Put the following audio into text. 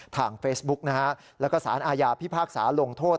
ทางเฟซบุ๊กนะฮะแล้วก็สารอาญาพิพากษาลงโทษ